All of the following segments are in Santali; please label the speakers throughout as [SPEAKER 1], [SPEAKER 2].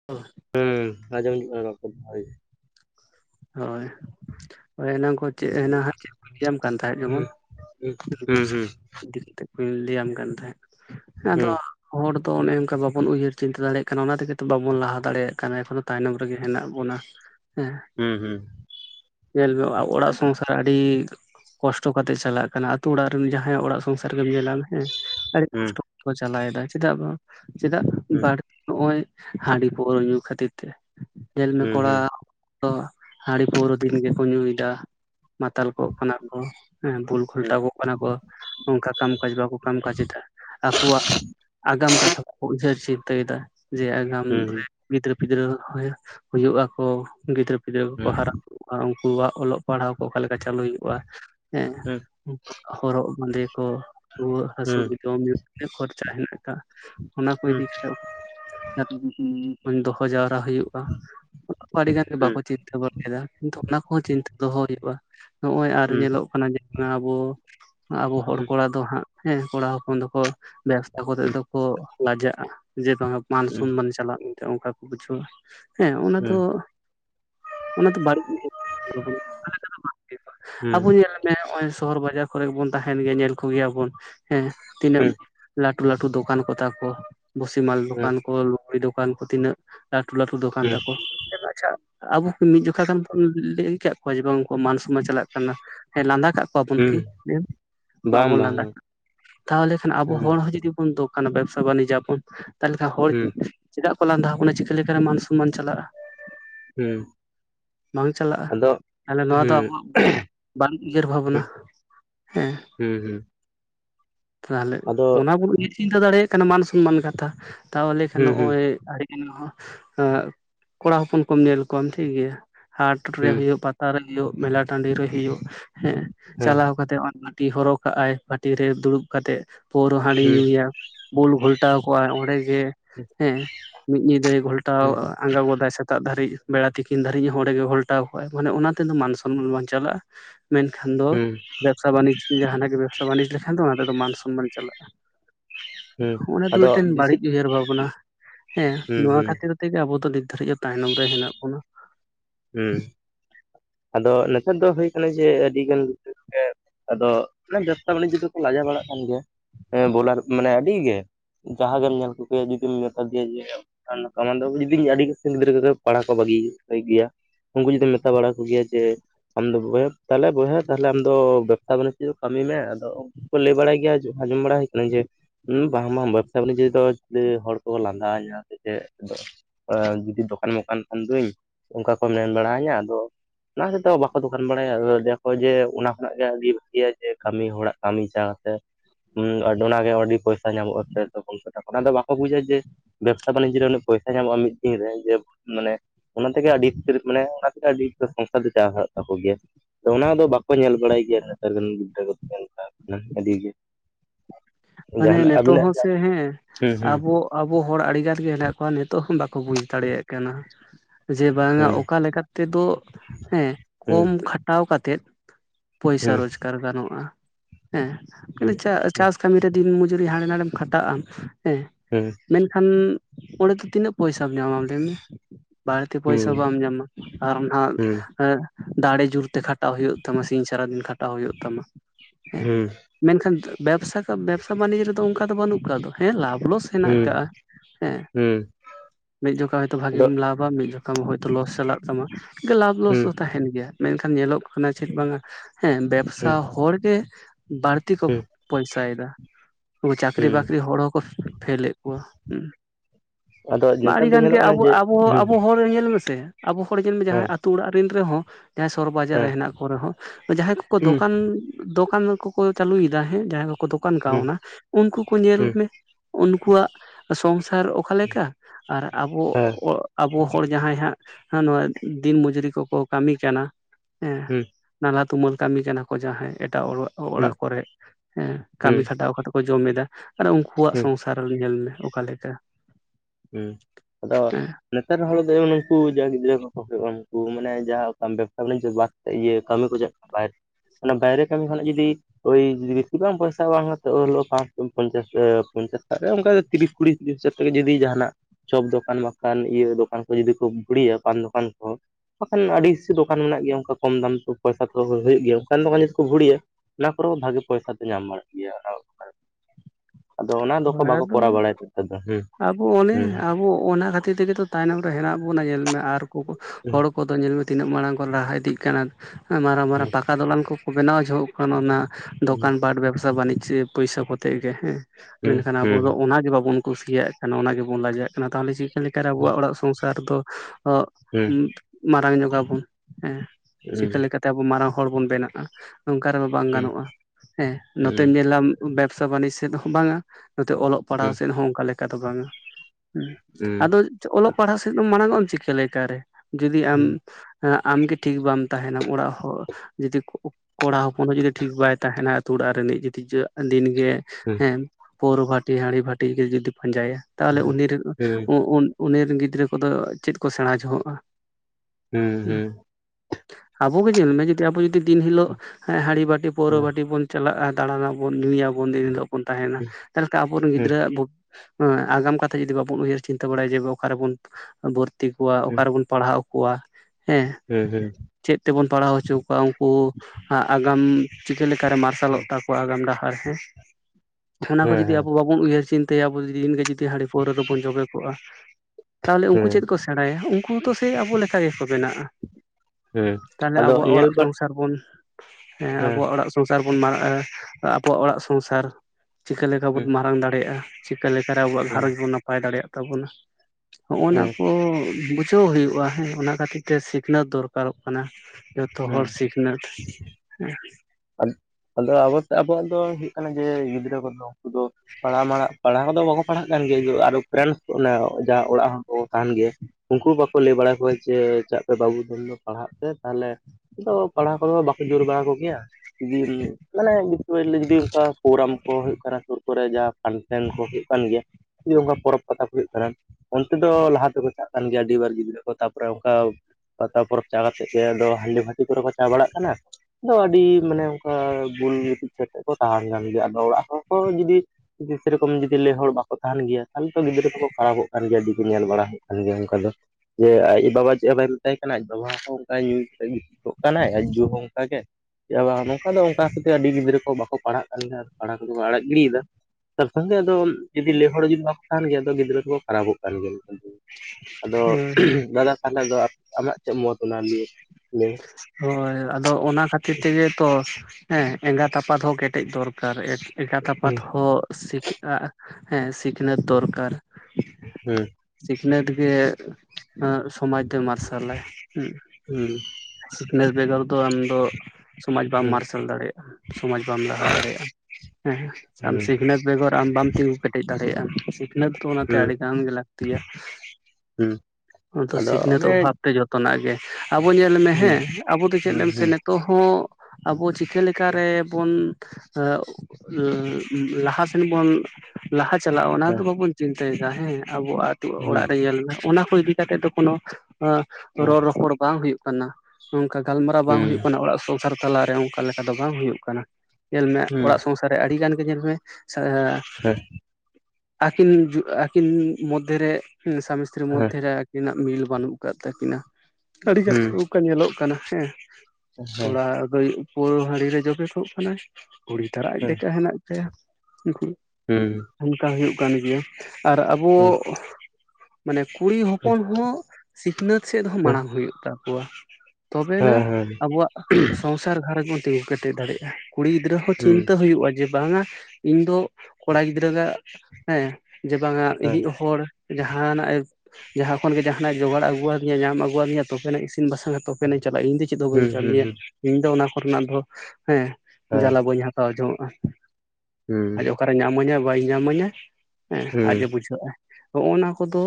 [SPEAKER 1] [unintelligible]
[SPEAKER 2] ᱦᱩᱸ ᱟᱸᱡᱚᱢ ᱦᱤᱡᱩᱜ ᱠᱟᱱᱟ ᱜᱚᱢᱠᱮ [inaudible]
[SPEAKER 1] ᱦᱳᱭ᱾ ᱦᱳᱭ ᱮᱱᱟᱝ ᱠᱷᱚᱡ ᱪᱮᱫ
[SPEAKER 2] ᱜᱮ
[SPEAKER 1] ᱦᱮᱱᱟᱝ ᱪᱮᱫ ᱞᱟᱹᱭᱟᱢ ᱠᱟᱱ ᱛᱟᱦᱮᱸᱫ ᱡᱮᱢᱚᱱ
[SPEAKER 2] ᱦᱩᱸ ᱦᱩᱸ ᱦᱩᱸ
[SPEAKER 1] [unintelligible] [unintelligible] ᱞᱟᱹᱭᱟᱢ ᱠᱟᱱ ᱛᱟᱦᱮᱸᱫ ᱟᱫᱚ ᱦᱚᱲ ᱫᱚ ᱚᱱᱮ ᱚᱱᱠᱟ ᱵᱟᱵᱚᱱ ᱩᱭᱦᱟᱹᱨ ᱪᱤᱱᱛᱟᱹ ᱫᱟᱲᱮᱭᱟᱜ ᱠᱟᱱᱟ ᱚᱱᱟ ᱛᱮᱜᱮ ᱛᱚ ᱵᱟᱵᱚᱱ ᱞᱟᱦᱟ ᱫᱟᱲᱮᱭᱟᱜ ᱠᱟᱱᱟ ᱮᱠᱷᱚᱱᱚ ᱛᱟᱭᱱᱚᱢ ᱨᱮᱜᱮ ᱦᱮᱱᱟᱜ ᱵᱚᱱᱟ᱾ ᱦᱮᱸ
[SPEAKER 2] ᱦᱩᱸ ᱦᱩᱸ
[SPEAKER 1] ᱧᱮᱞ ᱢᱮ ᱚᱲᱟᱜ ᱥᱚᱝᱥᱟᱨ ᱟᱹᱰᱤ ᱠᱚᱥᱴᱚ ᱠᱟᱛᱮᱫ ᱪᱟᱞᱟᱜ ᱠᱟᱱᱟ ᱟᱛᱳ ᱚᱲᱟᱜ ᱨᱮᱱ ᱡᱟᱦᱟᱸᱭᱟᱜ ᱚᱲᱟᱜ ᱥᱚᱝᱥᱟᱨ ᱜᱮᱢ ᱧᱮᱞᱟ ᱦᱮᱸ ᱟᱹᱰᱤ
[SPEAKER 2] ᱦᱩᱸ ᱦᱩᱸ
[SPEAKER 1] ᱠᱚᱥᱴᱚ ᱠᱟᱛᱮ ᱠᱚ ᱪᱟᱞᱟᱣᱮᱫᱟ ᱪᱮᱫᱟᱜ ᱵᱟ ᱪᱮᱫᱟᱜ ᱵᱟᱹᱲᱛᱤ ᱱᱚᱜ-ᱚᱭ ᱦᱟᱺᱰᱤ ᱯᱟᱹᱣᱨᱟᱹ ᱧᱩ ᱠᱷᱟᱹᱛᱤᱨ ᱛᱮ᱾ ᱧᱮᱞ ᱢᱮ
[SPEAKER 2] ᱦᱩᱸ ᱦᱩᱸ
[SPEAKER 1] ᱠᱚᱲᱟ
[SPEAKER 2] ᱦᱩᱸ
[SPEAKER 1] ᱫᱚ ᱦᱟᱺᱰᱤ ᱯᱳᱣᱨᱳ ᱫᱤᱱ ᱜᱮᱠᱚ ᱧᱩᱭᱮᱫᱟ᱾ ᱢᱟᱛᱟᱞ ᱠᱚᱜ ᱠᱟᱱᱟ ᱠᱚ ᱦᱮᱸ ᱵᱩᱞ ᱠᱷᱟᱞᱴᱟᱣ ᱠᱚᱜ ᱠᱟᱱᱟ ᱠᱚ᱾ ᱚᱱᱠᱟ ᱠᱟᱢ ᱠᱟᱡᱽ ᱵᱟᱠᱚ ᱠᱟᱢᱠᱟᱡᱽ ᱮᱫᱟ ᱟᱠᱚᱣᱟᱜ᱾ ᱟᱜᱟᱢ ᱠᱟᱛᱷᱟ ᱠᱚ ᱠᱚ ᱩᱭᱦᱟᱹᱨ ᱪᱤᱱᱛᱟᱹᱭᱮᱫᱟ᱾ ᱡᱮ ᱟᱜᱟᱢ
[SPEAKER 2] ᱦᱩᱸ ᱦᱩᱸ ᱦᱩᱸ ᱦᱩᱸ ᱦᱩᱸ ᱦᱩᱸ ᱦᱩᱸ ᱦᱩᱸ ᱦᱩᱸ ᱦᱩᱸ ᱦᱩᱸ ᱦᱩᱸ
[SPEAKER 1] ᱨᱮ ᱜᱤᱫᱽᱨᱟᱹ ᱯᱤᱫᱽᱨᱟᱹ ᱦᱩᱭᱩᱜ ᱟᱠᱚ ᱜᱤᱫᱽᱨᱟᱹ ᱯᱤᱫᱽᱨᱟᱹ ᱠᱚᱠᱚ ᱦᱟᱨᱟᱜ ᱟᱨ ᱩᱱᱠᱩᱣᱟᱜ ᱚᱞᱚᱜ ᱯᱟᱲᱦᱟᱣ ᱠᱚ ᱚᱠᱟᱞᱮᱠᱟ ᱪᱟᱹᱞᱩ ᱦᱩᱭᱩᱜ-ᱟ? ᱦᱮᱸ ᱦᱚᱨᱚᱜ ᱵᱟᱸᱫᱮ ᱠᱚ ᱨᱩᱣᱟᱹᱜ ᱦᱟᱹᱥᱩ ᱡᱚᱢ ᱧᱩ ᱛᱤᱱᱟᱜ ᱠᱷᱚᱨᱪᱟ ᱦᱮᱱᱟᱜ ᱠᱟᱜ ᱚᱱᱟ ᱠᱚ
[SPEAKER 2] ᱦᱩᱸ
[SPEAKER 1] ᱤᱫᱤ ᱠᱟᱛᱮ [unintelligible] ᱢᱮᱱᱫᱚ ᱠᱚ ᱡᱟᱣᱨᱟ ᱦᱩᱭᱩᱜ-ᱟ ᱟᱹᱰᱤ ᱜᱟᱱ ᱜᱮ ᱵᱟᱠᱚᱡ [unintelligible] ᱠᱤᱱᱛᱩ ᱚᱱᱟ ᱠᱚᱦᱚᱸ ᱪᱤᱱᱛᱟᱹ ᱫᱚᱦᱚ ᱦᱩᱭᱩᱜ-ᱟ ᱱᱚᱜ-ᱚᱭ ᱟᱨ ᱧᱮᱞᱚᱜ ᱠᱟᱱᱟ ᱡᱮ ᱱᱚᱜᱚᱭ ᱟᱵᱚ ᱟᱵᱚ ᱦᱚᱲ ᱠᱚᱲᱟ ᱫᱚ ᱦᱟᱸᱜ ᱦᱮᱸ ᱠᱚᱲᱟ ᱦᱚᱯᱚᱱ ᱫᱚᱠᱚ ᱵᱮᱥᱛᱚ ᱠᱚᱛᱮ ᱫᱚᱠᱚ ᱞᱟᱡᱟᱜ-ᱟ ᱡᱮ ᱵᱟᱝᱟ ᱢᱟᱱ ᱥᱚᱢᱢᱟᱱ ᱪᱟᱞᱟᱜ ᱤᱧ ᱛᱮ ᱚᱱᱠᱟ ᱠᱚ ᱵᱩᱡᱷᱟᱹᱣᱟ ᱦᱮᱸ ᱚᱱᱟ ᱛᱚ ᱦᱚ
[SPEAKER 2] ᱦᱩᱸ
[SPEAKER 1] ᱚᱱᱟ ᱫᱚ ᱵᱟᱹᱲᱤᱡ [inaudible]
[SPEAKER 2] ᱦᱩᱸ ᱦᱩᱸ
[SPEAKER 1] ᱟᱵᱚ ᱧᱮᱞᱮᱢ ᱢᱮ ᱦᱚᱜᱚᱭ ᱥᱚᱦᱚᱨ ᱵᱟᱡᱟᱨ ᱠᱚᱨᱮ ᱜᱮᱵᱚᱱ ᱛᱟᱦᱮᱱ ᱜᱮᱭᱟ ᱧᱮᱞ ᱠᱚᱜᱮᱭᱟ ᱵᱚᱱ ᱦᱮᱸ ᱛᱤᱱᱟᱹᱜ ᱞᱟᱴᱩ ᱞᱟᱴᱩ ᱫᱚᱠᱟᱱ ᱠᱚ ᱛᱟᱠᱚ ᱵᱷᱩᱥᱤ ᱢᱟᱞ ᱫᱚᱠᱟᱱ ᱠᱚ ᱞᱩᱜᱽᱲᱤ ᱫᱚᱠᱟᱱ ᱠᱚ ᱛᱤᱱᱟᱹᱜ ᱞᱟᱴᱩ ᱞᱟᱴᱩ ᱫᱚᱠᱟᱱ ᱛᱟᱠᱚ [unintelligible] ᱟᱵᱚ ᱠᱤ ᱢᱤᱫ ᱡᱚᱠᱷᱟ ᱜᱟᱱ ᱵᱚᱱ ᱞᱟᱹᱭ ᱠᱟᱫ ᱠᱚᱣᱟ ᱡᱮ ᱵᱟᱝ ᱩᱱᱠᱩᱣᱟᱜ ᱢᱟᱱ ᱥᱚᱢᱢᱟᱱ ᱪᱟᱞᱟᱜ ᱠᱟᱱᱟ ᱦᱮ ᱞᱟᱸᱫᱟ ᱠᱟᱜ ᱠᱚᱣᱟ ᱵᱟᱵᱚᱱ ᱠᱤ
[SPEAKER 2] ᱵᱟᱝ
[SPEAKER 1] ᱵᱟᱵᱚᱱ
[SPEAKER 2] ᱵᱟᱝ
[SPEAKER 1] ᱞᱟᱸᱫᱟ
[SPEAKER 2] ᱵᱟᱝ
[SPEAKER 1] ᱛᱟᱦᱞᱮ ᱠᱷᱟᱱ ᱟᱵᱚ
[SPEAKER 2] ᱦᱩᱸ
[SPEAKER 1] ᱦᱚᱲ ᱦᱚᱸ ᱡᱩᱫᱤ ᱫᱚᱠᱟᱱᱟ ᱵᱮᱵᱥᱟ ᱵᱟᱱᱤᱡᱟ ᱟᱵᱚᱱ ᱛᱟᱦᱞᱮ ᱠᱷᱟᱱ ᱦᱚᱲ
[SPEAKER 2] ᱦᱩᱸ
[SPEAKER 1] ᱪᱮᱫᱟᱜ ᱠᱚ ᱞᱟᱸᱫᱟᱦᱟ ᱵᱚᱱᱟ ᱪᱤᱠᱟᱹ ᱞᱮᱠᱟᱨᱮ ᱢᱟᱱ ᱥᱚᱱᱢᱟᱱ ᱪᱟᱞᱟᱜ-ᱟ᱾
[SPEAKER 2] ᱦᱩᱸ
[SPEAKER 1] ᱵᱟᱝ ᱪᱟᱞᱟᱜ-ᱟ
[SPEAKER 2] ᱟᱫᱚ
[SPEAKER 1] ᱛᱟᱦᱚᱞᱮ ᱱᱚᱣᱟ ᱫᱚ
[SPEAKER 2] ᱦᱩᱸ
[SPEAKER 1] ᱵᱟᱝ ᱩᱭᱦᱟᱹᱨ ᱵᱷᱟᱵᱽᱱᱟ ᱦᱮᱸ
[SPEAKER 2] ᱦᱩᱸ ᱦᱩᱸ
[SPEAKER 1] ᱛᱟᱦᱚᱞᱮ
[SPEAKER 2] ᱟᱫᱚ
[SPEAKER 1] ᱚᱱᱟ ᱵᱚᱱ ᱪᱤᱱᱛᱟᱹ ᱫᱟᱲᱮᱭᱟᱜ ᱠᱟᱱᱟ ᱢᱟᱱ ᱥᱚᱱᱢᱟᱱ ᱠᱟᱛᱷᱟ ᱛᱟᱦᱚᱞᱮ ᱠᱷᱟᱱ
[SPEAKER 2] ᱦᱩᱸ ᱦᱩᱸ
[SPEAKER 1] ᱱᱚᱜ-ᱚᱭ ᱟᱰᱤ ᱠᱚᱲᱟ ᱦᱚᱯᱚᱱ ᱠᱚᱢ ᱧᱮᱞ ᱠᱚᱣᱟᱢ ᱴᱷᱤᱠ ᱜᱮᱭᱟ ᱦᱟᱴ ᱨᱮ
[SPEAKER 2] ᱦᱩᱸ
[SPEAKER 1] ᱦᱩᱭᱩᱜ ᱯᱟᱛ ᱛᱟᱨᱮ ᱦᱩᱭᱳᱜ ᱢᱮᱞᱟ ᱴᱟᱸᱰᱤ ᱨᱮ ᱦᱩᱭᱩᱜ ᱦᱮᱸ
[SPEAKER 2] ᱦᱮᱸ
[SPEAKER 1] ᱪᱟᱞᱟᱣ ᱠᱟᱛᱮᱜ ᱦᱚᱜᱱᱟ ᱛᱤ ᱦᱚᱨᱚᱜ ᱠᱟᱜᱟᱭ ᱵᱟᱴᱤᱨ ᱨᱮ ᱫᱩᱲᱩᱵ ᱠᱟᱛᱮᱜ ᱯᱟᱹᱣᱨᱟᱹ ᱦᱟᱺᱰᱤ
[SPEAKER 2] ᱦᱩᱸ
[SPEAKER 1] ᱧᱩᱭᱟ᱾ ᱵᱩᱞ ᱜᱷᱞᱴᱟᱣ ᱠᱚᱜᱟᱭ ᱚᱸᱰᱮᱜᱮ ᱦᱮᱸ ᱢᱤᱫ ᱧᱤᱫ ᱜᱷᱚᱞᱴᱟᱣ ᱟᱸᱜᱟ ᱜᱚᱫᱟᱭ ᱥᱮᱛᱟᱜ ᱫᱷᱟᱹᱨᱤᱡ ᱵᱮᱲᱟ ᱛᱤᱠᱤᱱ ᱫᱷᱟᱹᱨᱤᱡ ᱦᱚᱸ ᱚᱰᱮᱜ ᱜᱮ ᱜᱷᱟᱞᱴᱟᱣ ᱠᱚᱜ-ᱟᱭ ᱢᱟᱱᱮ ᱚᱱᱟ ᱛᱮ ᱫᱚ ᱢᱟᱱ ᱥᱚᱱᱢᱟᱱ ᱵᱟᱝ ᱪᱟᱞᱟᱜ-ᱟ ᱢᱮᱱᱠᱷᱟᱱ ᱫᱚ
[SPEAKER 2] ᱦᱩᱸ ᱦᱩᱸ
[SPEAKER 1] ᱵᱮᱵᱽᱥᱟ ᱵᱟᱹᱱᱤᱡ ᱡᱟᱦᱟ ᱱᱟᱜ ᱜᱮ ᱵᱮᱵᱥᱟ ᱵᱟᱹᱱᱤᱡᱽ ᱞᱮᱠᱷᱟᱱ ᱫᱚ ᱚᱱᱟ ᱛᱮᱫᱚ ᱢᱟᱱ ᱥᱚᱱᱢᱟᱱ ᱪᱟᱞᱟᱜ-ᱟ
[SPEAKER 2] ᱦᱩᱸ
[SPEAKER 1] ᱚᱱᱟ ᱫᱚ
[SPEAKER 2] ᱟᱫᱚ
[SPEAKER 1] ᱢᱤᱫᱴᱮᱱ
[SPEAKER 2] ᱵᱮᱥᱤ
[SPEAKER 1] ᱵᱟᱹᱲᱤᱡ ᱩᱭᱦᱟᱹᱨ ᱵᱷᱟᱵᱱᱟ ᱦᱮᱸ
[SPEAKER 2] ᱦᱩᱸ
[SPEAKER 1] ᱱᱚᱣᱟ
[SPEAKER 2] ᱦᱩᱸ
[SPEAKER 1] ᱠᱷᱟᱹᱛᱤᱨ ᱛᱤ ᱟᱵᱚ ᱫᱚ ᱱᱤᱛ ᱫᱷᱟᱹᱨᱤᱡ ᱫᱚ ᱛᱟᱭᱱᱚᱢ ᱨᱮ ᱦᱮᱱᱟᱜ ᱵᱚᱱᱟ ᱾
[SPEAKER 2] ᱦᱩᱸ ᱟᱫᱚ ᱱᱮᱛᱟᱨ ᱫᱚ ᱦᱩᱭ ᱠᱟᱱᱟ ᱡᱮ ᱟᱹᱰᱤ ᱜᱟᱱ ᱜᱤᱫᱟᱹᱨ ᱜᱮ ᱟᱫᱚ ᱵᱮᱯᱵᱥᱟ ᱵᱟᱱᱤᱡᱚ ᱫᱚᱠᱚ ᱞᱟᱡᱟᱣ ᱵᱟᱲᱟᱜ ᱠᱟᱱ ᱜᱮᱭᱟ, ᱦᱮᱸ ᱵᱚᱞᱟᱨ ᱢᱟᱱᱮ ᱟᱹᱰᱤ ᱜᱮ ᱾ ᱡᱟᱦᱟᱸ ᱜᱮᱢ ᱧᱮᱞ ᱠᱚᱜᱮᱭᱟ, ᱡᱩᱫᱤᱢ ᱢᱮᱛᱟ ᱫᱮᱭᱟ ᱡᱮ ᱟᱨ ᱱᱚᱝᱠᱟᱱ ᱫᱚ ᱟᱹᱰᱤ ᱜᱤᱫᱽᱨᱟᱹ ᱯᱟᱲᱦᱟᱣ ᱠᱚ ᱵᱟᱹᱜᱤ ᱵᱟᱜᱤ ᱜᱮᱭᱟ ᱩᱱᱠᱩ ᱡᱩᱫᱤᱢ ᱢᱮᱛᱟ ᱵᱟᱲᱟ ᱠᱚ ᱜᱮᱭᱟ ᱡᱮ, ᱟᱢ ᱫᱚ ᱵᱚᱭᱦᱟ ᱛᱟᱦᱚᱞᱮ ᱵᱚᱭᱦᱟ, ᱟᱢ ᱫᱚ ᱵᱮᱵᱽᱥᱟ ᱵᱟᱹᱱᱤᱡᱚ ᱠᱟᱹᱢᱤ ᱢᱮ, ᱟᱫᱚ ᱚᱠ ᱠᱚ ᱞᱟᱹᱭ ᱵᱟᱲᱟᱭ ᱜᱮᱭᱟ ᱡᱮ ᱟᱸᱡᱚᱢ ᱵᱟᱲᱟ ᱦᱩᱭ ᱟᱠᱟᱱᱟ, ᱡᱮ ᱵᱟᱝ ᱵᱟᱝ ᱵᱮᱵᱽᱥᱟ ᱵᱟᱱᱤᱡᱡᱚ ᱫᱚ ᱦᱚᱲ ᱠᱚ ᱞᱟᱸᱫᱟ ᱟᱧᱟᱹ ᱥᱮ ᱪᱮ ᱡᱩᱫᱤ ᱫᱚᱠᱟᱱ ᱢᱚᱠᱟᱱ ᱠᱷᱟᱱ ᱫᱩᱧ ᱚᱱᱠᱟ ᱠᱚ ᱢᱮᱱ ᱵᱟᱲ ᱟᱹᱧᱟᱹ ᱟᱫᱚ ᱚᱱᱟ ᱥᱛᱮ ᱦᱚ ᱵᱟᱠᱚ ᱫᱚᱠᱟᱱ ᱵᱟᱲᱟᱭᱟ, ᱟ ᱫᱭᱟ ᱠᱚ ᱡᱮ ᱚᱱᱟ ᱠᱷᱚᱱᱟᱜ ᱜᱮ ᱟᱹᱰᱤ ᱵᱷᱟᱹᱜᱤᱭᱟ ᱡᱮ ᱠᱟᱹᱢᱤ ᱦᱚᱲᱟᱜ, ᱠᱟᱹᱢᱤ ᱪᱟᱼᱛᱮ, ᱦᱩᱸ ᱰᱚᱱᱟᱜᱮ ᱟᱹᱰᱤ ᱯᱚᱭᱥᱟ ᱧᱟᱢᱚᱜ ᱟᱥᱮ, ᱠᱚᱢᱥᱚ ᱴᱟᱠᱟ ᱚᱱᱟ ᱫᱚ ᱵᱟᱠᱚ ᱵᱩᱡᱟ ᱡᱮ ᱼᱼ ᱵᱮᱵᱽᱥᱟ ᱵᱟᱱᱤᱡᱡᱚ ᱨᱮ, ᱩᱱᱟᱹᱜ ᱯᱚᱭᱥᱟ ᱧᱟᱢᱚᱜᱼᱟ ᱢᱤᱫ ᱫᱤᱱ ᱨᱮ, ᱡᱮ ᱢᱟᱱᱮ ᱚᱱᱟ ᱛᱮᱜᱮ ᱟᱹᱰᱤ ᱢᱟᱱᱮ ᱚᱱᱟᱛᱮ ᱟᱹᱰᱤ ᱥᱚᱝᱥᱟᱨ ᱫᱚ ᱪᱟ [unintelligible] ᱛᱟᱠᱚ ᱜᱮᱭᱟ᱾ ᱟᱫᱚ ᱚᱱᱟᱫᱚ ᱵᱟᱠᱚ ᱧᱮᱞ ᱵᱟᱲᱟᱭ ᱜᱮᱭᱟ, ᱱᱮᱛᱟᱨ ᱨᱮᱱ ᱜᱤᱫᱽᱨᱟᱹ ᱠᱚᱫᱚ [inaudible] ᱟᱹᱰᱤᱜᱮ ᱼᱼ
[SPEAKER 1] ᱢᱟᱱᱮ ᱱᱤᱛᱳ ᱦᱚᱸ
[SPEAKER 2] ᱡᱟ
[SPEAKER 1] ᱥᱮ ᱦᱮᱸ,
[SPEAKER 2] ᱦᱩᱸ
[SPEAKER 1] ᱟᱵᱚ ᱟᱵᱚ ᱦᱚᱲ ᱟᱹᱲᱤᱜᱟᱱ ᱜᱮ ᱦᱮᱱᱟᱜ ᱠᱚᱣᱟ, ᱱᱤᱛᱚᱜ ᱦᱚᱸ ᱵᱟᱠᱚ ᱵᱩᱡᱽ ᱫᱟᱲᱮᱭᱟᱜ ᱠᱟᱱᱟ ᱾ ᱡᱮ ᱵᱟᱝᱟ
[SPEAKER 2] ᱦᱩᱸ
[SPEAKER 1] ᱚᱠᱟ ᱞᱮᱠᱟ ᱛᱮᱫᱚ ᱦᱮᱸ,
[SPEAKER 2] ᱦᱩᱸ
[SPEAKER 1] ᱠᱚᱢ ᱠᱷᱟᱴᱟᱣ ᱠᱟᱛᱮᱫ ᱼᱼ ᱯᱚᱭᱥᱟ
[SPEAKER 2] ᱦᱩᱸ
[SPEAKER 1] ᱨᱳᱡᱽᱜᱟᱨ ᱜᱟᱱᱚᱜᱼᱟ ᱦᱮᱸ, ᱢᱟᱱᱮ ᱪᱟ ᱪᱟᱥ ᱛᱮ ᱫᱤᱱ ᱢᱚᱡᱩᱨᱤ ᱦᱟᱸᱰᱮ ᱱᱟᱰᱮᱢ ᱠᱷᱟᱴᱟᱜᱼᱟ ᱦᱮᱸ ᱼᱼ
[SPEAKER 2] ᱦᱩᱸ
[SPEAKER 1] ᱢᱮᱱᱠᱷᱟᱱ ᱚᱸᱰᱮ ᱫᱚ ᱛᱤᱱᱟᱹᱜ ᱯᱚᱭᱥᱟᱢ ᱧᱟᱢᱟᱢ ᱞᱟᱹᱭ ᱢᱮ? ᱵᱟᱲᱛᱤ ᱯᱚᱭᱥᱟ
[SPEAKER 2] ᱦᱩᱸ
[SPEAKER 1] ᱵᱟᱢ ᱧᱟᱢᱟ, ᱟᱨ ᱱᱟᱜ
[SPEAKER 2] ᱦᱩᱸ
[SPEAKER 1] ᱫᱟᱲᱮ ᱡᱳᱨᱛᱮ ᱠᱷᱟᱴᱟᱣ ᱦᱩᱭᱩᱜ ᱛᱟᱢᱟ, ᱥᱤᱧ ᱥᱟᱨᱟᱫᱤᱱ ᱠᱷᱟᱴᱟᱣ ᱦᱩᱭᱩᱜ ᱛᱟᱢᱟ ᱦᱮ,
[SPEAKER 2] ᱦᱩᱸ
[SPEAKER 1] ᱢᱮᱱᱠᱷᱟᱱ ᱵᱮᱵᱽᱥᱟ ᱵᱮᱵᱽᱥᱟ ᱵᱟᱹᱱᱤᱡᱽ ᱨᱮᱫᱚ ᱚᱱᱠᱟ ᱫᱚ ᱵᱟᱹᱱᱩᱜ ᱟᱠᱟᱫᱟ ᱫᱚ, ᱦᱮᱸ ᱞᱟᱵᱷ ᱞᱚᱥ ᱦᱱᱟᱜ
[SPEAKER 2] ᱦᱩᱸ
[SPEAKER 1] ᱠᱟᱜᱼᱟ ᱦᱮᱸ,
[SPEAKER 2] ᱦᱩᱸ ᱦᱩᱸ
[SPEAKER 1] ᱢᱤᱫ ᱡᱚᱠᱷᱟ ᱦᱚᱭᱛᱳ
[SPEAKER 2] ᱟᱫᱚ
[SPEAKER 1] ᱵᱷᱟᱜᱤᱢ ᱞᱟᱯ ᱢᱤᱫ ᱡᱚᱠᱷᱚᱢ ᱦᱭᱛ ᱞᱚᱥ ᱪᱟᱞᱟᱜ ᱛᱟᱢᱟ, ᱞᱟᱵᱷ ᱞᱚᱥ
[SPEAKER 2] ᱦᱩᱸ
[SPEAKER 1] ᱫᱚ ᱛᱟᱦᱮᱱ ᱜᱮᱭᱟ, ᱢᱮᱱᱠᱷᱟᱱ ᱧᱮᱞᱚᱜ ᱠᱟᱱᱟ ᱪᱮᱫ ᱵᱟᱝ-ᱟ ᱦᱮᱸ,
[SPEAKER 2] ᱦᱩᱸ
[SPEAKER 1] ᱵᱮᱵᱽᱥᱟ ᱦᱚᱲ ᱜᱮ ᱵᱟᱹᱲᱛᱤ ᱠᱚ
[SPEAKER 2] ᱦᱩᱸ
[SPEAKER 1] ᱠᱟᱭᱫᱟ ᱩᱱᱠᱩ ᱪᱟᱹᱠᱨᱤ
[SPEAKER 2] ᱦᱩᱸ
[SPEAKER 1] ᱵᱟᱹᱠᱨᱤ ᱦᱚᱲ ᱦᱚᱸᱠᱚ ᱯᱷᱮᱞᱮᱫ ᱠᱚᱣᱟ᱾ ᱦᱮᱸ
[SPEAKER 2] ᱟᱫᱚ
[SPEAKER 1] ᱢᱟ ᱟᱹᱰᱤ
[SPEAKER 2] ᱱᱮᱛᱟᱨ ᱫᱚ
[SPEAKER 1] ᱜᱟᱱ ᱜᱮ
[SPEAKER 2] ᱧᱮᱞᱚᱜ ᱠᱟᱱᱟ
[SPEAKER 1] ᱟᱵᱚ
[SPEAKER 2] ᱡᱮ
[SPEAKER 1] ᱟᱵᱚ
[SPEAKER 2] ᱦᱩᱸ
[SPEAKER 1] ᱟᱵᱚ ᱦᱚᱲ ᱜᱮ ᱧᱮᱞ ᱢᱮᱥᱮ, ᱟᱵᱚ ᱦᱚᱲ ᱡᱮᱱ ᱢᱮ ᱡᱟᱦᱟᱸᱭ
[SPEAKER 2] ᱦᱮᱸ
[SPEAKER 1] ᱟᱹᱛᱩ ᱚᱲᱟᱜ ᱨᱤᱱ ᱨᱮᱦᱚᱸ ᱡᱟᱦᱟᱸᱭ ᱥᱚᱦᱚᱨ ᱵᱟᱡᱟᱨ
[SPEAKER 2] ᱦᱮᱸ
[SPEAKER 1] ᱨᱮ ᱦᱮᱱᱟᱜ ᱠᱚ ᱨᱮᱦᱚᱸ, ᱡᱟᱦᱟᱸᱭ ᱠᱚᱠᱚ
[SPEAKER 2] ᱦᱩᱸ
[SPEAKER 1] ᱫᱚᱠᱟᱱ ᱫᱚᱠᱟᱱ ᱠᱚᱠᱚ ᱪᱟᱹᱞᱩᱭᱮᱫᱟ ᱦᱮᱸ, ᱡᱟᱦᱟᱸᱭ ᱠᱚᱠᱚ ᱫᱚᱠᱟᱱ
[SPEAKER 2] ᱦᱩᱸ
[SPEAKER 1] ᱠᱟᱣᱱᱟ ᱩᱱᱠᱩ ᱠᱚ
[SPEAKER 2] ᱦᱩᱸ
[SPEAKER 1] ᱧᱮᱞ
[SPEAKER 2] ᱦᱮᱸ
[SPEAKER 1] ᱢᱮ, ᱩᱱᱠᱩᱣᱟᱜ ᱥᱚᱝᱥᱟᱨ ᱚᱠᱟᱞᱮᱠᱟ, ᱟᱨ ᱟᱵᱚ ᱚ ᱟᱵᱚ ᱦᱚᱲ ᱡᱟᱦᱟᱸᱭ ᱦᱟᱸᱜ ᱱᱚᱣᱟ ᱫᱤᱱ ᱢᱚᱡᱩᱨᱤ ᱠᱚ ᱠᱚ ᱠᱟᱹᱢᱤ ᱠᱟᱱᱟ, ᱦᱮᱸ
[SPEAKER 2] ᱦᱩᱸ
[SPEAKER 1] ᱱᱟᱞᱦᱟ ᱛᱩᱢᱟᱹᱞ ᱠᱟᱹᱢᱤ ᱠᱟᱱᱟ ᱠᱚ ᱡᱟᱦᱟᱸᱭ, ᱮᱴᱟᱜ
[SPEAKER 2] ᱦᱩᱸ
[SPEAKER 1] ᱚᱲᱟᱜ ᱠᱚᱨᱮ ᱦᱮᱸ ᱠᱟᱹᱢᱤ
[SPEAKER 2] ᱦᱩᱸ
[SPEAKER 1] ᱠᱷᱟ ᱠᱷᱟᱴᱟᱣ ᱠᱟᱛᱮ ᱠᱚ ᱡᱚᱢ ᱮᱫᱟ, ᱟᱨ ᱩᱱᱠᱩᱣᱟᱜ
[SPEAKER 2] ᱦᱩᱸ
[SPEAKER 1] ᱥᱚᱝᱥᱟᱨ ᱧᱮᱞ ᱢᱮ ᱚᱠᱟ ᱞᱮᱠᱟ᱾
[SPEAKER 2] ᱦᱮᱸ ᱟᱫᱚ
[SPEAKER 1] ᱦᱮᱸ
[SPEAKER 2] ᱱᱮᱛᱟᱨ ᱦᱚᱲ ᱫᱚ ᱡᱮᱢᱚᱱ ᱩᱱᱠᱩ ᱡᱟ ᱜᱤᱫᱽᱨᱟᱹ ᱠᱚᱠᱚ ᱦᱩᱭᱩᱜᱼᱟ, ᱩᱱᱠᱩ ᱢᱟᱱᱮ ᱡᱟᱦᱟᱸ ᱵᱮᱵᱽᱥᱟ ᱵᱟᱱᱤᱡ ᱡᱚ ᱵᱟᱫ ᱛᱮ ᱤᱭᱟᱹ ᱠᱟᱹᱢᱤ ᱠᱚ ᱪᱟ ᱵᱟᱭ ᱚᱱᱟ ᱵᱟᱭᱨᱮ ᱠᱟᱹᱢᱤ ᱠᱷᱚᱱᱟᱜ ᱡᱩᱫᱤ ᱳᱭ ᱡᱫᱤ ᱵᱮᱥᱤ ᱵᱟᱝ ᱯᱚᱭᱥᱟ ᱵᱟᱝᱟ ᱦᱳᱛᱳᱜ ᱦᱤᱞᱳᱜ ᱯᱟᱪᱥ ᱯᱚᱧᱪᱟᱥ ᱠ ᱨᱮ ᱚᱱᱠᱟ ᱛᱤᱨᱤᱥ ᱠᱩᱲᱤ [unintelligible] ᱛᱮ ᱡᱩᱫᱤ ᱡᱟᱦᱟᱱ ᱱᱟᱜ ᱪᱚᱯ ᱫᱚᱠᱟᱱ ᱵᱟᱠᱷᱟᱱ, ᱤᱭᱟᱹ ᱫᱚᱠᱟᱱ ᱠᱚ ᱡᱩᱫᱤ ᱠᱚ ᱵᱷᱩᱲᱤᱭᱟ, ᱯᱟᱱ ᱫᱚᱠᱟᱱ ᱠᱚ᱾ ᱵᱟᱠᱷᱟᱱ ᱟᱹᱰᱤ ᱥᱤ ᱫᱚᱠᱟᱱ ᱢᱮᱱᱟᱜ ᱜᱮᱭᱟ ᱚᱱᱠᱟ ᱠᱚᱢ ᱫᱟᱢ, ᱯᱚᱭᱥᱟ ᱛᱚ ᱦᱩᱭᱩᱜ ᱜᱮᱭᱟ ᱚᱱᱠᱟᱱ ᱫᱚᱠᱟᱱ ᱡᱤᱱᱤᱥ ᱠᱚ ᱵᱷᱩᱲᱤᱭᱟ ᱚᱱᱟ ᱠᱚᱨᱮ ᱦᱚ ᱵᱷᱟᱜᱮ ᱯᱚᱭᱥᱟ ᱫᱚ ᱧᱟᱢ ᱵᱟᱲᱟᱜ ᱜᱮᱭᱟ᱾
[SPEAKER 1] [unintelligible]
[SPEAKER 2] ᱟᱫᱚ ᱚᱱᱟ ᱫᱚᱠᱚ
[SPEAKER 1] ᱦᱳᱭ
[SPEAKER 2] ᱵᱟᱠᱚ
[SPEAKER 1] ᱟᱫᱚ
[SPEAKER 2] ᱠᱚᱨᱟᱣ ᱵᱟᱲᱟᱭ ᱱᱮᱛᱟᱨ ᱫᱚ
[SPEAKER 1] ᱟᱵᱚ ᱚᱱᱮ
[SPEAKER 2] ᱦᱩᱸ
[SPEAKER 1] ᱟᱵᱚ ᱚᱱᱟ ᱠᱷᱟᱹᱛᱤᱨ ᱛᱮᱜᱮ ᱛᱚ ᱛᱟᱭᱱᱚᱢ ᱨᱮ ᱦᱮᱱᱟᱜ ᱵᱚᱱᱟ ᱧᱮᱞᱢᱮ ᱟᱨᱠᱚ ᱠᱚ ᱠᱚ ᱦᱚᱲ, ᱠᱫᱚ ᱧᱮᱞ ᱢᱮ ᱛᱤᱱᱟᱹᱜ ᱢᱟᱲᱟᱝ ᱠᱚ ᱞᱟᱦᱟ ᱤᱫᱤᱜ ᱠᱟᱱᱟ ᱢᱟᱨᱟᱝ
[SPEAKER 2] ᱦᱮᱸ ᱦᱮᱸ ᱦᱮᱸ
[SPEAKER 1] ᱢᱟᱨᱟᱝ ᱯᱟᱠᱟ ᱫᱚᱞᱟᱱ ᱠᱚᱠᱚ ᱵᱮᱱᱟᱣᱟ ᱡᱷᱚᱠ, ᱠᱷᱚᱱ ᱚᱱᱟ ᱫᱚᱠᱟᱱ ᱯᱟᱴ ᱵᱮᱵᱥᱟ ᱵᱟᱱᱤᱡᱽᱡ ᱯᱚᱭᱥᱟ ᱠᱚᱛᱮᱜ ᱜᱮ ᱦᱮᱸ, ᱢᱮᱱᱠᱷᱟᱱ ᱟᱵᱚ ᱫᱚ ᱚᱱᱟᱜᱮ ᱵᱟᱵᱚᱱ ᱠᱩᱥᱤᱭᱟᱜ ᱠᱟᱱᱟ ᱚᱱᱟ ᱜᱮᱵᱚᱱ ᱞᱟᱡᱟᱜ ᱠᱟᱱᱟ ᱛᱟᱦᱚᱞᱮ ᱪᱮ, ᱪᱮᱜ ᱞᱮᱠᱟ ᱨᱮ ᱟᱵᱚᱣᱟᱜ ᱚᱲᱟᱜ ᱥᱚᱝᱥᱟᱨ ᱫᱚ ᱢᱟᱨᱟᱝ ᱧᱚᱜ ᱧᱚᱜ ᱟᱵᱚᱱ ᱦᱮᱸ᱾ ᱪᱤᱠᱟᱹ ᱞᱮᱠᱟᱛᱮ ᱟᱵᱚ ᱢᱟᱨᱟᱝ ᱦᱚᱲ ᱵᱚᱱ ᱵᱮᱱᱟᱜᱼᱟ᱾ ᱱᱚᱝᱠᱟ ᱨᱮ ᱫᱚ ᱵᱟᱝ ᱜᱟᱱᱚᱜᱼᱟ ᱦᱮᱸ ᱱᱚᱛᱮᱧ ᱧᱮᱞᱟᱢ ᱵᱮᱵᱥᱟ ᱵᱟᱹᱱᱤᱡᱽ ᱥᱮᱫ ᱦᱚᱸ ᱵᱟᱝᱟ-ᱟ᱾ ᱱᱚᱛᱮ ᱚᱞᱚᱜ ᱯᱟᱲᱦᱟᱣ ᱥᱮᱫ ᱦᱚᱸᱚᱱᱠᱟ ᱞᱮᱠᱟ ᱫᱚ ᱵᱟᱝᱟ-ᱟ ᱟᱫᱚ ᱦᱩᱸ ᱟᱫᱚ ᱚᱞᱚᱜ ᱯᱟᱲᱦᱟᱜ ᱥᱮᱫ ᱢᱟᱲᱟᱝᱚᱜᱼᱟ ᱪᱤᱠᱟ ᱞᱮᱠᱟ ᱨᱮ ᱡᱩᱫᱤ ᱟᱢ᱾ ᱦᱮᱸ ᱟᱢᱜᱮ ᱴᱷᱤᱠ ᱵᱟᱢ ᱛᱟᱦᱮᱸᱱᱟᱢ ᱚᱲᱟᱜ ᱦᱚᱲ᱾ ᱡᱩᱫᱤ ᱠᱚᱲᱟ ᱦᱚᱯᱚᱱ ᱦᱚᱸ ᱡᱩᱫᱤ ᱴᱷᱤᱠ ᱵᱟᱭ ᱛᱟᱦᱮᱱᱟ ᱟᱛᱳ ᱚᱲᱟᱜ ᱨᱤᱱᱤᱡ ᱡᱩᱫᱤ ᱫᱤᱱ ᱜᱮ᱾ ᱦᱮᱸ ᱯᱳᱣᱨᱳ ᱵᱷᱷᱟᱴᱤ ᱦᱟᱸᱲᱤ ᱵᱷᱷᱟᱴᱤ ᱜᱮ ᱡᱩᱫᱤ ᱯᱟᱸᱡᱟᱭᱟ ᱛᱟᱦᱚᱞᱮ ᱩᱱᱤ ᱨᱮᱱ ᱩᱸ ᱩᱱ ᱩᱱᱤ ᱨᱤᱱ ᱜᱤᱫᱽᱨᱟᱹ ᱠᱚᱫᱚ ᱪᱮᱫ ᱠᱚ ᱥᱮᱬᱟ ᱡᱚᱦᱚᱜᱼᱟ᱾
[SPEAKER 2] ᱦᱩᱸ ᱦᱩᱸ
[SPEAKER 1] ᱟᱵᱚ ᱜᱮ ᱧᱮᱞ ᱢᱮ ᱡᱩᱫᱤ ᱟᱵᱚ ᱡᱩᱫᱤ ᱫᱤᱱ ᱦᱤᱞᱳᱜ ᱦᱟᱲᱤ ᱵᱟᱹᱴᱤ ᱯᱟᱹᱣᱨᱟᱹ ᱵᱟᱹᱴᱤ ᱵᱚᱱ᱾ ᱪᱟᱞᱟᱜᱼᱟ ᱫᱟᱬᱟᱱᱟ ᱵᱚᱱ ᱧᱩᱭᱟᱵᱚᱱ ᱫᱤᱱ ᱦᱤᱞᱳᱜ ᱵᱚᱱ ᱛᱟᱦᱮᱱᱟ ᱛᱟᱦᱞᱮ ᱠᱟ ᱟᱵᱚᱨᱮᱱ ᱜᱤᱫᱽᱨᱟᱹᱣᱟᱜ ᱵᱷᱩ᱾ ᱦᱮᱸ ᱟᱜᱟᱢ ᱠᱟᱛᱷᱟ ᱡᱩᱫᱤ ᱵᱟᱵᱚᱱ ᱩᱭᱦᱟᱹᱨ ᱪᱤᱱᱛᱟᱹ ᱵᱟᱲᱟᱭᱟ ᱡᱮ ᱚᱠᱟᱨᱮᱵᱚᱱ ᱵᱷᱳᱨ, ᱛᱤ ᱠᱚᱣᱟ ᱚᱠᱟ ᱨᱮᱵᱚᱱ ᱯᱟᱲᱦᱟᱣᱚ ᱠᱚᱣᱟ ᱦᱮᱸ, ᱪᱮᱫ ᱛᱮᱵᱚᱱ ᱯᱟᱲᱦᱟᱣ ᱦᱚᱪᱚ ᱠᱚᱣᱟ ᱩᱱᱠᱩ ᱟᱜᱟᱢ᱾ ᱪᱤᱠᱟᱹ ᱞᱮᱠᱟᱨᱮ ᱢᱟᱨᱥᱟᱞᱚᱜ ᱛᱟᱠᱚᱣᱟ ᱟᱜᱟᱢ ᱰᱟᱦᱟᱨ ᱦᱮᱸ᱾ ᱚᱱᱟ ᱠᱚ ᱡᱩᱫᱤ ᱟᱵᱚ ᱵᱟᱵᱚᱱ ᱩᱭᱦᱟᱹᱨ ᱪᱤᱱᱛᱟᱹᱟ ᱟᱵᱚ ᱡᱩᱫᱤ ᱫᱤᱱ ᱜᱮ ᱡᱩᱫᱤ ᱦᱟᱺᱰᱤ ᱯᱟᱹᱣᱨᱟᱹ ᱨᱮᱵᱚᱱ ᱡᱚᱵᱮ ᱠᱚᱜᱼᱟ᱾ ᱛᱟᱦᱚᱞᱮ ᱩᱱᱠᱩ ᱪᱮᱫ ᱠᱚ ᱥᱮᱬᱟᱭᱟ ᱩᱱᱠᱩ ᱛᱚ ᱥᱮ ᱟᱵᱚ ᱞᱮᱠᱟᱜᱮ ᱠᱚ ᱵᱮᱱᱟᱜ ᱛᱟᱦᱚᱞᱮ
[SPEAKER 2] ᱟᱫᱚ
[SPEAKER 1] ᱟᱵᱚᱣᱟᱜ
[SPEAKER 2] ᱧᱮᱞ
[SPEAKER 1] ᱚᱲᱟᱜ
[SPEAKER 2] ᱵᱟᱲ
[SPEAKER 1] ᱥᱚᱝᱥᱟᱨ ᱵᱚᱱ
[SPEAKER 2] ᱦᱮᱸ
[SPEAKER 1] ᱟᱵᱚᱣᱟᱜ ᱚᱲᱟᱜ ᱥᱚᱝᱥᱟᱨ ᱵᱚᱱ ᱢᱟᱨᱟᱜ, ᱟᱵᱚᱣᱟᱜ ᱚᱲᱟᱜ ᱥᱚᱝᱥᱟᱨ, ᱪᱤᱠᱟᱹ ᱞᱮᱠᱟ ᱵᱩᱱ
[SPEAKER 2] ᱦᱮᱸ
[SPEAKER 1] ᱢᱟᱨᱟᱝ ᱫᱟᱲᱮᱭᱟᱜ-ᱟ᱾ ᱪᱤᱠᱟᱹ ᱞᱮᱠᱟᱨᱮ ᱟᱵᱚᱣᱟᱜ
[SPEAKER 2] ᱦᱮᱸ
[SPEAKER 1] ᱜᱷᱟᱨᱚᱡᱽ ᱵᱚᱱ ᱱᱟᱯᱟᱭ ᱫᱟᱲᱮᱭᱟᱜ ᱛᱟᱵᱚᱱᱟ ᱱᱚᱜ-ᱚ ᱱᱟ
[SPEAKER 2] ᱦᱮᱸ
[SPEAKER 1] ᱠᱚ ᱵᱩᱡ, ᱵᱩᱡᱷᱟᱣ ᱦᱩᱭᱩᱜ-ᱟ ᱦᱮᱸ ᱚᱱᱟ ᱠᱷᱟᱹᱛᱤᱨ ᱛᱮ ᱥᱤᱠᱷᱱᱟᱹᱛ ᱫᱚᱨᱠᱟᱨᱚᱜ ᱠᱟᱱᱟ ᱡᱚᱛᱚ ᱦᱚᱲ ᱥᱮ, ᱱᱮᱛ, ᱦᱮᱸ,
[SPEAKER 2] ᱟᱫᱚ ᱟᱵᱚ ᱟᱵᱚᱣᱟᱜ ᱫᱚ ᱦᱩᱭᱩᱜ ᱠᱟᱱᱟ ᱡᱮ ᱜᱤᱫᱽᱨᱟᱹ ᱠᱚᱫᱚ ᱩᱱᱠᱩ ᱫᱚ ᱯᱟᱲᱦᱟᱜ ᱢᱟᱲᱟ ᱯᱟᱲᱦᱟᱜ ᱠᱚᱫᱚ ᱵᱟᱠᱚ ᱜᱮᱭᱟ ᱟᱨᱚ ᱯᱨᱮᱱᱴᱥ ᱚᱱᱮ ᱡᱟᱦᱟᱸ ᱚᱲᱟᱜ ᱦᱚᱸᱠᱚ ᱛᱟᱦᱮᱱ ᱜᱮᱭᱟ᱾ ᱩᱱᱠᱩ ᱵᱟᱠᱚ ᱞᱟᱹᱭ ᱵᱟᱲᱟ ᱠᱚᱣᱟ ᱡᱮ ᱪᱮᱫ ᱯᱮ ᱵᱟᱹᱵᱩ ᱛᱮᱦᱮᱧ ᱫᱚ ᱯᱟᱲᱦᱟᱜ ᱛᱮ ᱛᱟᱦᱚᱞᱮ, ᱟᱫᱚ ᱠᱚᱲᱦᱣ ᱠᱚ ᱫᱚ ᱵᱟᱠᱚ ᱡᱳᱨ ᱵᱟᱲᱟ ᱠᱚᱜᱮᱭᱟ᱾ ᱡᱩᱫᱤ ᱢᱟᱱᱮ ᱡᱩᱫᱤ ᱚᱱᱠᱟ ᱯᱨᱳᱜᱨᱟᱢ ᱠᱚ ᱦᱩᱭᱩᱜ ᱠᱟᱱᱟ ᱥᱩᱨ ᱠᱚᱨᱮ ᱡᱟᱦᱟᱸ ᱯᱷᱟᱱᱥᱮᱱ ᱠᱚ ᱦᱩᱭᱩᱜ ᱠᱟᱱ ᱜᱮᱭᱟ ᱡᱤ ᱚᱱᱠᱟ ᱯᱚᱨᱚᱵᱽ ᱯᱟᱛᱟ ᱠᱚ ᱦᱩᱭᱩᱜ ᱠᱟᱱᱟ, ᱚᱱᱛᱮ ᱫᱚ ᱞᱟᱦᱟ ᱛᱮᱠᱚ ᱪᱟᱞᱟᱜ ᱠᱟᱱ ᱜᱮᱭᱟ ᱟᱹᱰᱤᱵᱟᱨ ᱜᱤᱫᱽᱨᱟᱹ ᱠᱚ ᱛᱟᱯᱚᱨᱮ ᱚᱱᱠᱟ ᱯᱟᱛᱟ ᱯᱚᱨᱚᱵᱽ ᱪᱟ ᱠᱟᱛᱮ ᱜᱮ ᱟᱫᱚ ᱦᱟᱸᱰᱤ ᱵᱷᱟᱴᱤ ᱠᱚᱨᱮ ᱠᱚ ᱪᱟ ᱵᱟᱲᱟᱜ ᱠᱟᱱᱟ ᱟᱫᱚ ᱟᱹᱰᱤ, ᱢᱟᱱᱮ ᱚᱱᱠᱟ ᱵᱩᱞ ᱜᱤᱛᱤᱡ ᱠᱟᱛᱮᱫ ᱠᱚ ᱛᱟᱦᱮᱸᱱ ᱠᱟᱱᱟᱱ ᱜᱮᱭᱟ ᱟᱫᱚ ᱚᱲᱟᱜ ᱦᱚᱲᱠᱚ ᱡᱩᱫᱤ ᱡᱩᱫᱤ ᱥᱮᱨᱚᱠᱚᱢ ᱡᱩᱫᱤ ᱞᱮ ᱦᱚᱲ ᱵᱟᱠᱚ ᱛᱟᱦᱮᱱ ᱜᱮᱭᱟ ᱛᱟᱦᱚᱞᱮ ᱛᱚ ᱜᱤᱫᱽᱨᱟᱹ ᱠᱚᱠᱚ ᱠᱷᱟᱨᱯᱚᱜ ᱠᱟᱱ ᱜᱮᱭᱟ ᱫᱤᱠ ᱧᱮᱞ ᱵᱟᱲᱟ ᱦᱩᱭᱩᱜ ᱠᱟᱱ ᱜᱮᱭᱟ ᱚᱱᱠᱟ ᱫᱚ, ᱡᱮ ᱟᱡ ᱵᱟᱵᱟ ᱪᱮᱫ ᱦᱚᱸ ᱵᱟᱭ ᱢᱮᱛᱟᱭᱟ ᱠᱟᱱᱟ ᱟᱡ ᱵᱟᱵᱟ ᱦᱚᱸ ᱚᱱᱠᱟᱜ ᱧᱩ ᱠᱟᱛᱮᱭ ᱜᱤᱛᱤᱡ ᱠᱚᱜ ᱠᱟᱱᱟᱭ ᱟᱡᱭᱩ ᱦᱚᱸ ᱚᱱᱠᱟᱜ ᱜᱮ ᱪᱮᱫ ᱦᱚᱸ ᱵᱟᱝ ᱱᱚᱝᱠᱟ ᱫᱚ ᱚᱱᱠᱟ ᱠᱟᱛᱮᱜ ᱟᱹᱰᱤ ᱜᱤᱫᱽᱨᱟᱹ ᱠᱚ ᱵᱟᱠᱚ ᱯᱟᱲᱦᱟᱜ ᱠᱟᱱ ᱜᱮᱭᱟ ᱯᱟᱲᱦᱟᱣ ᱠᱚᱫᱚ ᱠᱚ ᱟᱲᱟᱜ ᱜᱤᱰᱤᱭᱮᱫᱟ᱾ ᱥᱟᱨ ᱥᱚᱝᱜᱮ ᱟᱫᱚ ᱡᱩᱫᱤ ᱞᱮ ᱦᱚᱲ ᱡᱩᱫᱤ ᱵᱟᱠᱚ ᱛᱟᱦᱮᱱ ᱜᱮᱭᱟ ᱟᱫᱚ ᱜᱤᱫᱽᱨᱟᱹ ᱠᱚᱠᱚ ᱠᱷᱟᱨᱟᱯᱚᱜ ᱠᱟᱱ ᱜᱮᱭᱟ ᱫᱚ, ᱟᱫᱚ ᱫᱟᱫᱟ ᱛᱟᱦᱚᱞᱮ ᱫᱚ ᱟᱢᱟᱜ ᱪᱮᱫ ᱢᱚᱸᱡᱽ ᱚᱱᱟᱤᱭ,
[SPEAKER 1] ᱦᱳᱭ ᱟᱫᱚ ᱚᱱᱟ ᱠᱷᱟᱹᱛᱤᱨ ᱛᱮᱜᱮ ᱛᱚ, ᱦᱮᱸ ᱮᱸᱜᱟᱛ ᱟᱯᱟᱛ ᱦᱚᱸ ᱠᱮᱴᱮᱡ ᱫᱚᱨᱠᱟᱨ ᱮᱸᱜᱟᱛ ᱟᱯᱟᱛ
[SPEAKER 2] ᱢᱮ
[SPEAKER 1] ᱦᱚᱸ ᱥᱤᱠᱷ, -ᱟ ᱦᱮᱸ ᱥᱤᱠᱷᱱᱟᱹᱛ ᱫᱚᱨᱠᱟᱨ
[SPEAKER 2] ᱦᱩᱸ ᱦᱩᱸ
[SPEAKER 1] ᱥᱤᱠᱷᱱᱟᱹᱛ ᱜᱮ ᱮ ᱥᱚᱢᱟᱡ ᱫᱚ ᱢᱟᱨᱥᱟᱞᱟᱭ ᱦᱮᱸ᱾
[SPEAKER 2] ᱦᱩᱸ
[SPEAKER 1] ᱥᱤᱠᱷᱱᱟᱹᱛ ᱵᱮᱜᱚᱨ ᱫᱚ ᱟᱢᱫᱚ ᱥᱚᱢᱟᱡ ᱵᱟᱢ
[SPEAKER 2] ᱦᱩᱸ
[SPEAKER 1] ᱢᱟᱨᱥᱟᱞ ᱫᱟᱲᱮᱭᱟᱜ-ᱟ᱾ ᱥᱚᱢᱟᱡ ᱵᱟᱢ ᱞᱟᱦᱟ ᱫᱟᱲᱮᱭᱟᱜ-ᱟ᱾ ᱦᱮᱸ ᱟᱢ
[SPEAKER 2] ᱦᱩᱸ
[SPEAKER 1] ᱥᱤᱠᱷᱱᱟᱹᱛ ᱵᱮᱜᱚᱨ ᱟᱢ ᱵᱟᱢ ᱛᱤᱸᱜᱩ ᱠᱮᱴᱮᱡ ᱫᱟᱲᱮᱭᱟᱜᱼᱟ᱾ ᱥᱤᱠᱷᱱᱟᱹᱛ ᱫᱚ ᱚᱱᱟᱛᱮ
[SPEAKER 2] ᱦᱩᱸ
[SPEAKER 1] ᱟᱹᱰᱤ ᱜᱟᱱ ᱜᱮ ᱞᱟᱹᱠᱛᱤᱭᱟ᱾
[SPEAKER 2] ᱦᱩᱸ
[SPEAKER 1] ᱟᱫᱚ ᱥᱤᱠᱷᱱᱟᱹᱛ ᱚᱵᱷᱟᱵ ᱛᱮ ᱡᱷᱚᱛᱚᱱᱟᱜ ᱜᱮ ᱟᱵᱚ ᱧᱮᱞᱢᱮ
[SPEAKER 2] ᱦᱩᱸ
[SPEAKER 1] ᱦᱮᱸ ᱟᱵᱚ ᱪᱮᱫ
[SPEAKER 2] ᱦᱩᱸ
[SPEAKER 1] ᱞᱮᱢᱮᱥᱮ
[SPEAKER 2] ᱦᱩᱸ
[SPEAKER 1] ᱚᱠᱛᱚ ᱦᱚᱸ ᱟᱵᱚ ᱪᱤᱠᱟᱹ ᱞᱮᱠᱟ ᱨᱮᱵᱚᱱ ᱮ ᱞᱟᱦᱟ ᱥᱮᱱᱵᱚᱱ ᱞᱟᱦᱟ ᱪᱟᱞᱟᱜ-ᱟ ᱚᱱᱟ
[SPEAKER 2] ᱦᱮᱸ
[SPEAKER 1] ᱫᱚ ᱵᱟᱵᱚᱱ ᱪᱤᱱᱛᱟᱹᱭᱮᱫᱟ ᱦᱮ, ᱸ ᱟᱵᱚᱣᱟᱜ ᱟᱹᱛᱩ
[SPEAKER 2] ᱦᱩᱸ
[SPEAKER 1] ᱚᱲᱟᱜ ᱨᱮ ᱧᱮᱞ ᱚᱱᱟ ᱡᱩᱫᱤ ᱤᱫᱤ ᱠᱟᱛᱮ ᱫᱚ ᱠᱳᱱᱚ
[SPEAKER 2] ᱦᱩᱸ
[SPEAKER 1] ᱨᱚᱲᱨᱚᱯᱚᱲ ᱵᱟᱝ ᱦᱩᱭᱩᱜ ᱠᱟᱱᱟ᱾ ᱱᱚᱝᱠᱟ ᱜᱟᱞᱢᱟᱨᱟᱣ ᱵᱟᱝ ᱦᱩᱭᱩᱜ
[SPEAKER 2] ᱦᱩᱸ
[SPEAKER 1] ᱠᱟᱱᱟ ᱚᱲᱟᱜ ᱥᱚᱝᱥᱟᱨ ᱛᱟᱞᱟᱨᱮ ᱚᱱᱠᱟ ᱞᱮᱠᱟ ᱫᱚ ᱵᱟᱝ ᱦᱩᱭᱩᱜ ᱠᱟᱱᱟ᱾ ᱧᱮᱞ ᱢᱮ
[SPEAKER 2] ᱦᱩᱸ
[SPEAKER 1] ᱚᱲᱟᱜ ᱥᱚᱝᱥᱟᱨ ᱨᱮ ᱟᱹᱰᱤ ᱜᱟᱱ ᱜᱮ ᱧᱮᱞ ᱢᱮ ᱥᱟ
[SPEAKER 2] ᱦᱮᱸ
[SPEAKER 1] ᱟᱹᱠᱤᱱ ᱡᱩ ᱟᱹᱠᱤᱱ ᱢᱚᱫᱷᱮ ᱨᱮ ᱥᱟᱢᱤᱥᱛᱨᱤ
[SPEAKER 2] ᱦᱮᱸ
[SPEAKER 1] ᱢᱚᱫᱽᱫᱷᱮ ᱨᱮ ᱩᱱᱠᱤᱱᱟᱜ ᱢᱤᱞ ᱵᱟᱹᱱᱩᱜ ᱟᱠᱟᱫ ᱛᱟᱹᱠᱤᱱᱟ ᱟᱹᱰᱤᱜᱟᱱ
[SPEAKER 2] ᱦᱩᱸ
[SPEAKER 1] ᱚᱱᱠᱟ ᱧᱮᱞᱚᱜ ᱠᱟᱱᱟ ᱦᱮᱸ
[SPEAKER 2] ᱦᱮᱸ
[SPEAKER 1] ᱠᱚᱲᱟ ᱫᱚᱭ ᱯᱟᱣᱨᱟᱹ ᱦᱟᱺᱰᱤ ᱨᱮ ᱡᱚᱵᱮ ᱠᱚᱜ ᱠᱟᱱᱟᱭ᱾ ᱠᱩᱲᱤ ᱛᱟᱨ ᱟᱡ
[SPEAKER 2] ᱦᱮᱸ
[SPEAKER 1] ᱞᱮᱠᱟ ᱦᱮᱱᱟᱜ ᱠᱟᱫᱮᱭᱟ ᱩᱱᱠᱩ
[SPEAKER 2] ᱦᱩᱸ ᱦᱩᱸ
[SPEAKER 1] ᱚᱱᱠᱟ ᱦᱩᱭᱩᱜ ᱠᱟᱱ ᱜᱮᱭᱟ᱾ ᱟᱨ ᱟᱵᱚ
[SPEAKER 2] ᱦᱮᱸ
[SPEAKER 1] ᱢᱟᱱᱮ ᱠᱩᱲᱤ ᱦᱚᱯᱚᱱ ᱦᱚᱸ ᱥᱤᱠᱷᱱᱟᱹᱛ ᱥᱮᱫ ᱦᱚᱸ
[SPEAKER 2] ᱦᱮᱸ
[SPEAKER 1] ᱢᱟᱲᱟᱝ ᱦᱩᱭᱩᱜ ᱛᱟᱠᱚᱣᱟ᱾ ᱛᱚᱵᱮᱱᱟ
[SPEAKER 2] ᱦᱮᱸ ᱦᱩᱸ ᱦᱮᱸ ᱦᱩᱸ
[SPEAKER 1] ᱟᱵᱚᱣᱟᱜ ᱥᱚᱝᱥᱟᱨ ᱜᱷᱟᱨᱚᱸᱡᱽ ᱵᱚᱱ ᱛᱤᱸᱜᱩ ᱠᱮᱴᱮᱡ ᱫᱟᱲᱮᱭᱟᱜ-ᱟ ᱠᱩᱲᱤ ᱜᱤᱫᱽᱨᱟᱹ
[SPEAKER 2] ᱦᱩᱸ
[SPEAKER 1] ᱦᱚᱸᱪᱤᱱᱛᱟᱹ ᱦᱩᱭᱩᱜ-ᱟ ᱡᱮ ᱵᱟᱝ ᱟ ᱤᱧ ᱫᱚ ᱠᱚᱲᱟ ᱜᱤᱫᱽᱨᱟᱹ ᱜᱟᱜ ᱦᱮᱸ ᱡᱮ ᱵᱟᱝᱟ
[SPEAKER 2] ᱦᱩᱸ
[SPEAKER 1] ᱤᱧᱤᱡ
[SPEAKER 2] ᱦᱮᱸ
[SPEAKER 1] ᱦᱚᱲ ᱡᱟᱦᱟᱱᱟᱜ ᱮ ᱡᱟᱦᱟᱸ ᱠᱷᱚᱱ ᱜᱮ ᱡᱟᱦᱟᱱᱟᱜ ᱮ ᱡᱚᱜᱟᱲ ᱟᱹᱜᱩ ᱟᱹᱫᱤᱧᱟ ᱧᱟᱢ ᱟᱹᱜᱩ ᱟᱹᱫᱤᱧᱟ ᱛᱚᱵᱮᱱᱟ ᱤᱥᱤᱱ ᱵᱟᱥᱟᱝ -ᱟ᱾ ᱛᱚᱵᱮᱱᱟᱧ ᱪᱟᱞᱟᱜ-ᱟ ᱤᱧ ᱫᱚ ᱪᱮᱫ ᱦᱚᱸ ᱵᱟᱹᱧ
[SPEAKER 2] ᱦᱩᱸ ᱦᱩᱸ ᱦᱩᱸ ᱦᱮᱸ ᱦᱮᱸ ᱦᱩᱸ ᱦᱩᱸ
[SPEAKER 1] ᱠᱟᱹᱢᱤᱭᱟ
[SPEAKER 2] ᱦᱩᱸ
[SPEAKER 1] ᱤᱧ ᱫᱚ ᱚᱱᱟ ᱠᱚᱨᱮᱱᱟᱜ ᱫᱚ ᱦᱮᱸ ᱡᱟᱞᱟ ᱵᱟᱹᱧ ᱦᱟ ᱛᱚ ᱟᱡᱚᱹᱢᱚᱜ-ᱟ᱾
[SPEAKER 2] ᱦᱩᱸ᱾
[SPEAKER 1] ᱚᱠᱟᱨᱮ ᱧᱟᱢᱟᱹᱧᱟᱭ ᱵᱟᱭ ᱧᱟᱢᱟᱹᱧᱟᱭ ᱦᱮᱸ ᱟᱡ ᱮ ᱵᱩᱡᱷᱟᱹᱜ-ᱟ ᱦᱚᱜ-ᱱᱟ ᱠᱚᱫᱚ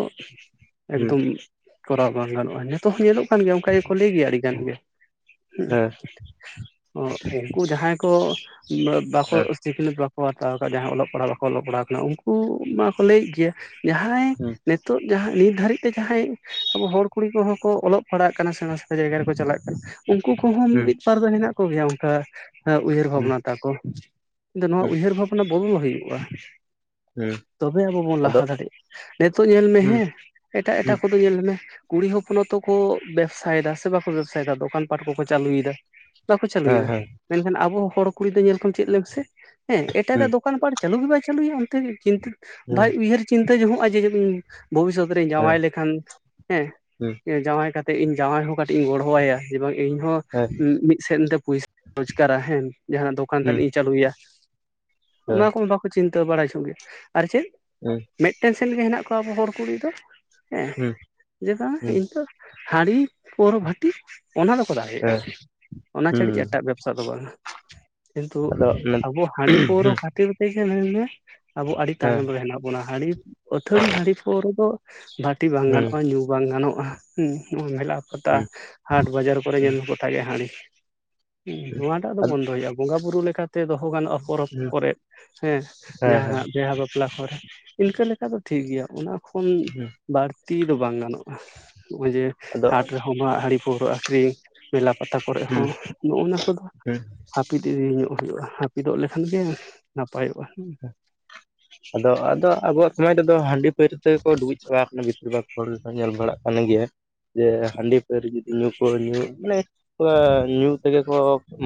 [SPEAKER 1] ᱮᱠᱫᱚᱢ ᱠᱚᱨᱟᱣ ᱵᱟᱝ ᱜᱟᱱᱚᱜ-ᱟ ᱱᱤᱛᱳᱜ ᱦᱚᱸ ᱧᱮᱞᱚᱜ ᱠᱟᱱ ᱜᱮᱭᱟ᱾ ᱚᱱᱠᱟ ᱜᱮᱠᱚ ᱞᱟᱹᱭ ᱜᱮᱭᱟ ᱟᱹᱰᱤ ᱜᱟᱱ ᱜᱮ ᱦᱩᱸ ᱚ ᱩᱱᱠᱩ ᱡᱟᱦᱟᱸᱭ ᱠᱚ ᱵᱟ ᱵᱟᱠᱚ ᱥᱤᱠᱷᱱᱟᱹᱛ ᱵᱟᱠᱚ ᱦᱟᱛᱟᱣ ᱠᱟᱫ ᱡᱟᱦᱟᱸᱭ ᱚᱞᱚᱜ ᱯᱟᱲᱦᱟᱶ ᱵᱟᱠᱚ ᱚᱞᱚᱜ ᱯᱟᱲᱦᱟᱶ ᱠᱟᱱᱟ ᱩᱱᱠᱩ ᱢᱟᱠᱚ ᱞᱟᱹᱭᱮᱫ ᱜᱮᱭᱟ᱾ ᱡᱟᱦᱟᱸᱭ ᱱᱮᱛᱳᱜ ᱡᱟᱦᱟᱸᱭ ᱱᱤᱛ ᱫᱷᱟᱹᱨᱤᱡ ᱛᱮ ᱡᱟᱦᱟᱸᱭ ᱟᱵᱚ ᱦᱚᱲ ᱠᱩᱲᱤ ᱠᱚᱦᱚᱸ ᱠᱚ ᱚᱞᱚᱜ ᱯᱟᱲᱦᱟᱜ ᱠᱟᱱᱟ ᱥᱮᱬᱟ ᱡᱟᱭᱜᱟ ᱨᱮᱠᱚ ᱪᱟᱞᱟᱜ ᱠᱟᱱᱟ ᱩᱱᱠᱩ ᱠᱚᱦᱚᱸ ᱢᱤᱫ ᱵᱟᱨ ᱫᱚ ᱦᱮᱱᱟᱜ ᱠᱚᱜᱮᱭᱟ ᱚᱱᱠᱟ ᱮᱸ ᱩᱭᱦᱟᱹᱨ ᱵᱷᱟᱵᱽᱱᱟ ᱛᱟᱠᱚ ᱫᱚ ᱱᱚᱣᱟ ᱩᱭᱦᱟᱹᱨ ᱵᱷᱟᱵᱽᱱᱟ ᱵᱚᱱᱫᱚ ᱦᱩᱭᱩᱜ-ᱟ᱾
[SPEAKER 2] ᱦᱩᱸ
[SPEAKER 1] ᱛᱚᱵᱮ ᱟᱵᱚ ᱵᱚᱱ
[SPEAKER 2] ᱟᱫᱚ
[SPEAKER 1] ᱞᱟᱦᱟ ᱫᱟᱲᱮᱜ ᱱᱮᱛᱳᱜ ᱧᱮᱞ ᱢᱮ
[SPEAKER 2] ᱦᱩᱸ
[SPEAKER 1] ᱦᱮᱸ ᱮᱴᱟᱜ ᱮᱴᱟᱜ
[SPEAKER 2] ᱦᱩᱸ
[SPEAKER 1] ᱠᱚᱫᱚ ᱧᱮᱞ ᱢᱮ ᱠᱩᱲᱤ ᱦᱚᱯᱚᱱ ᱦᱚᱸᱛᱚ ᱠᱚ ᱵᱮᱵᱽᱥᱟᱭ ᱫᱟ ᱥᱮ ᱵᱟᱠᱚ ᱵᱮᱵᱥᱟᱭᱫᱟ ᱫᱚᱠᱟᱱ ᱯᱟᱴ ᱠᱚᱠᱚ ᱪᱟᱹᱞᱩᱭᱮᱫᱟ ᱵᱟᱠᱚ
[SPEAKER 2] ᱦᱮᱸ
[SPEAKER 1] ᱪᱟᱹᱞᱩᱭᱮᱫᱟ
[SPEAKER 2] ᱦᱮᱸ
[SPEAKER 1] ᱢᱮᱱᱠᱷᱟᱱ ᱟᱵᱚ ᱦᱚᱲ ᱠᱩᱲᱤ ᱫᱚ ᱧᱮᱞ ᱠᱚᱢ ᱪᱮᱫ ᱞᱟᱹᱭ ᱢᱮᱥᱮ ᱦᱮᱸ ᱮᱴᱟᱜᱟᱜ
[SPEAKER 2] ᱦᱩᱸ
[SPEAKER 1] ᱫᱚᱠᱟᱱ ᱯᱟᱴ ᱪᱟᱹᱞᱩ ᱜᱮ ᱵᱟᱭ ᱪᱟᱹᱞᱩᱭᱟ ᱚᱱᱛᱮ ᱪᱤᱱᱛᱟᱹ
[SPEAKER 2] ᱦᱩᱸ ᱦᱮᱸ ᱦᱩᱸ
[SPEAKER 1] ᱵᱟᱭ ᱩᱭᱦᱟᱹᱨ ᱪᱤᱱᱛᱟᱹ ᱡᱚᱝᱚᱜ-ᱟ ᱡᱮ ᱤᱧ ᱵᱷᱚᱵᱤᱥᱚᱛ ᱥᱩᱠ ᱨᱮ ᱡᱟᱸᱣᱟᱭ
[SPEAKER 2] ᱦᱮᱸ
[SPEAKER 1] ᱞᱮᱠᱷᱟᱱ ᱦᱮᱸ ᱡᱟᱸᱣᱟᱭ ᱠᱟᱛᱮᱫ ᱤᱧ ᱡᱟᱸᱣᱟᱭ ᱦᱚᱸ ᱠᱟᱹᱴᱤᱡ ᱤᱧ ᱜᱚᱲᱚᱟᱭᱟ ᱡᱮ ᱵᱟᱝ ᱤᱧ ᱦᱚᱸ ᱴᱤᱡ ᱢᱤᱫ ᱥᱮᱱ ᱛᱮ ᱯᱚᱭᱥᱟ [inaudible] ᱨᱚᱡᱽᱠᱟᱨᱟ ᱦᱮᱸ ᱡᱟᱦᱟᱸᱫᱚᱠᱟᱱ
[SPEAKER 2] ᱦᱩᱸ ᱦᱮᱸ ᱦᱩᱸ ᱦᱩᱸ ᱦᱩᱸ ᱦᱮᱸ ᱦᱩᱸ ᱟᱫᱚ ᱦᱮᱸ ᱦᱩᱸ ᱦᱮᱸ ᱦᱩᱸ ᱦᱩᱸ
[SPEAKER 1] ᱛᱟᱱᱤᱡ ᱤᱧ ᱪᱟᱹᱞᱩᱭᱟ᱾ ᱚᱱᱟ ᱠᱚᱢᱟ ᱵᱟᱠᱚ ᱪᱤᱱᱛᱟᱹ ᱵᱟᱲᱟᱭ ᱡᱚᱝᱜᱮ ᱟᱨ ᱪᱮᱫ
[SPEAKER 2] ᱦᱮᱸ᱾
[SPEAKER 1] ᱴᱮᱱᱥᱮᱱ ᱜᱮ ᱦᱮᱱᱟᱜ ᱠᱚᱣᱟ ᱟᱵᱚ ᱦᱚᱲ ᱠᱩᱲᱤ ᱫᱚ ᱦᱮᱸ ᱡᱮ ᱵᱟᱝ
[SPEAKER 2] ᱦᱩᱸ
[SPEAKER 1] ᱤᱧᱫᱚ ᱦᱟᱹᱲᱤ ᱯᱳᱣᱨᱟᱹᱵᱷᱟᱴᱤ ᱚᱱᱟ ᱫᱚᱠᱚ ᱫᱟᱲᱮᱭᱟᱜ-ᱟ ᱚᱱᱟ ᱪᱷᱟᱹᱲᱤᱡ ᱮᱴᱟᱜ ᱵᱮᱵᱽᱥᱟ ᱫᱚ ᱵᱟᱝᱟ᱾ ᱠᱤᱱᱛᱩ ᱟᱵᱚ ᱦᱟᱸᱲᱤ ᱯᱟᱹᱣᱨᱟᱹ ᱠᱷᱟᱹᱛᱤᱨ [inaudible] ᱟᱵᱚ ᱟᱹᱰᱤ ᱛᱟᱭᱱᱚᱢ ᱨᱮ ᱦᱮᱱᱟᱜ ᱵᱚᱱᱟ ᱦᱟᱹᱲᱤ ᱟᱹᱛᱷᱟᱹᱲᱤ ᱦᱟᱺᱰᱤ ᱯᱳᱣᱨᱚ ᱫᱚ ᱵᱷᱟᱹᱴᱤ ᱵᱟᱝ ᱜᱟᱱᱚᱜ-ᱟ ᱧᱩ ᱵᱟᱝ ᱜᱟᱱᱚᱜ-ᱟ ᱦᱩᱸ ᱱᱚᱣᱟ ᱢᱮᱞᱟ ᱯᱟᱛᱟ ᱦᱟᱴ ᱵᱟᱡᱟᱨ ᱠᱚᱨᱮ ᱧᱮᱞ ᱢᱮ ᱜᱚᱴᱟ ᱜᱮ ᱦᱟᱺᱰᱤ ᱦᱩᱸ ᱱᱚᱣᱟᱴᱟᱜ ᱫᱚ ᱵᱚᱱᱫᱚ ᱦᱩᱭᱩᱜ-ᱟ ᱵᱚ ᱵᱚᱸᱜᱟ ᱵᱩᱨᱩ ᱞᱮᱠᱟᱛᱮ ᱫᱚᱦᱚ ᱜᱟᱱᱚᱜ-ᱟ ᱯᱚᱨᱚᱵᱽ
[SPEAKER 2] ᱟᱫᱚ
[SPEAKER 1] ᱠᱚᱨᱮᱜ ᱦᱮᱸ
[SPEAKER 2] ᱦᱩᱸ ᱦᱮᱸ ᱦᱮᱸ
[SPEAKER 1] ᱡᱟᱦᱟᱸ ᱵᱤᱦᱟᱹ ᱵᱟᱯᱞᱟ ᱠᱚᱨᱮ᱾ ᱤᱱᱠᱟᱹ ᱞᱮᱠᱟ ᱫᱚ ᱴᱷᱤᱠ ᱜᱮᱭᱟ ᱚᱱᱟ ᱠᱷᱚᱱ ᱵᱟᱹᱲᱛᱤ ᱫᱚ ᱵᱟᱝ ᱜᱟᱱᱚᱜ-ᱟ ᱱᱚᱜ-ᱚᱭ ᱡᱮ ᱦᱟᱴ
[SPEAKER 2] ᱟᱫᱚ
[SPEAKER 1] ᱨᱮᱦᱚᱸ ᱢᱟᱜ ᱦᱟᱺᱰᱤ ᱯᱟᱹᱣᱨᱟᱹ ᱟᱠᱷᱨᱤᱧ ᱢᱮᱞᱟ ᱯᱟᱛᱟ ᱠᱚᱨᱮᱜ ᱦᱚᱸ
[SPEAKER 2] ᱦᱩᱸ
[SPEAKER 1] ᱱᱚᱜ ᱱᱚᱣᱟ ᱠᱚᱫᱚ
[SPEAKER 2] ᱦᱩᱸ
[SPEAKER 1] ᱦᱟᱹᱯᱤᱫ ᱤᱫᱤ ᱧᱚᱜ ᱦᱩᱭᱩᱜ-ᱟ ᱦᱟᱹᱯᱤᱫᱚᱜ ᱞᱮᱠᱷᱟᱱ ᱜᱮ ᱱᱟᱯᱟᱭᱚᱜ-ᱟ ᱦᱮᱸ᱾
[SPEAKER 2] ᱟᱫᱚ ᱟᱫᱚ ᱟᱵᱚᱣᱟᱜ ᱥᱚᱢᱟᱡᱽ ᱨᱮᱫᱚ ᱦᱟᱺᱰᱤ ᱯᱟᱹᱣᱨᱟᱹ ᱛᱮᱠᱚ ᱰᱩᱵᱩᱡ ᱪᱟᱵᱟ ᱟᱠᱟᱱᱟ ᱵᱷᱤᱛᱤᱨ ᱵᱷᱟᱜᱽ ᱦᱚᱲ ᱜᱮᱠᱚ ᱧᱮᱞ ᱵᱟᱲᱟᱜ ᱠᱟᱱ ᱜᱮᱭᱟ᱾ ᱡᱮ ᱦᱟᱺᱰᱤ ᱯᱟᱹᱣᱨᱟᱹ ᱡᱩᱫᱤ ᱧᱩ ᱠᱚ ᱧᱩ ᱢᱟᱱᱮ [inaudible] ᱧᱩ ᱛᱮᱜᱮ ᱠᱚ